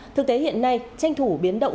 thực tế hiện nay tranh thủ biến động